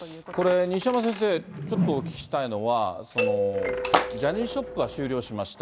これ、西山先生、ちょっとお聞きしたいのは、ジャニーズショップは終了しました、